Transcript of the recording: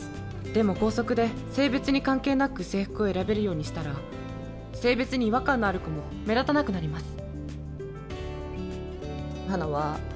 でも校則で、性別に関係なく制服を選べるようにしたら、性別に違和感のある子も目立たなくなります。